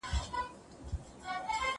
زه سبا به کتاب لولم وم!؟